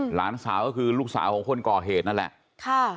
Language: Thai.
หลานสาวก็คือลูกสาวของคนก่อเหตุนั่นแหละค่ะ